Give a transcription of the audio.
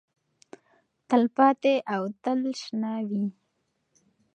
تلپاتې او تلشنه وي.